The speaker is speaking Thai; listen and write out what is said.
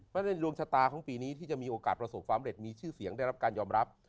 เพราะฉะนั้นดวงชะตาของปีนี้ที่จะมีโอกาสประสบความเร็จมีชื่อเสียงได้รับการยอมรับ